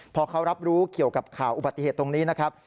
พอเขารับรู้เกี่ยวกับข่าวอุบัติเหตุตรงนี้นะครับ